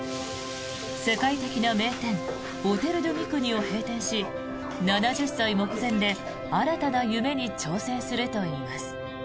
世界的な名店オテル・ドゥ・ミクニを閉店し７０歳目前で新たな夢に挑戦するといいます。